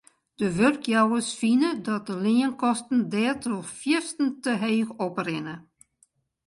De wurkjouwers fine dat de leankosten dêrtroch fierstente heech oprinne.